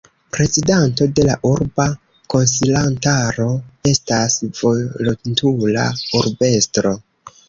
Prezidanto de la urba konsilantaro estas volontula urbestro.